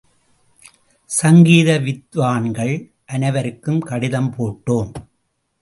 சங்கீத வித்வான்கள் அனைவருக்கும் கடிதம் போட்டோம்.